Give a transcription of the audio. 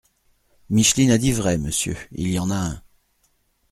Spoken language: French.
Micheline a dit vrai, monsieur, il y en a un !…